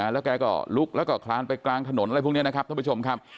แล้วแกก็ลุกแล้วก็คลานไปกลางถนนอะไรพวกนี้นะครับท่านผู้ชมครับ